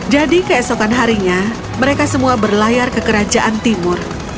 jadi keesokan harinya mereka semua berlayar ke kerajaan timur